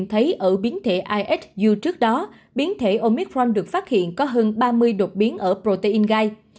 như thấy ở biến thể ihu trước đó biến thể omicron được phát hiện có hơn ba mươi đột biến ở protein gai